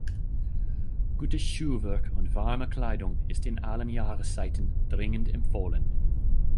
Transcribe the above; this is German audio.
Gutes Schuhwerk und warme Kleidung ist in allen Jahreszeiten dringend empfohlen.